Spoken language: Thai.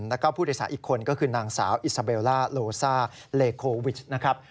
แล้วก็ผู้โดยสารอีกคนก็คือนางสาวอิซาเบลล่าโลซ่าเลโควิชนะครับ